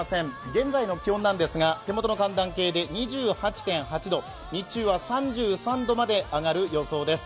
現在の気温なんですが手元の寒暖計で２８．８度、日中は３３度まで上がる予想です。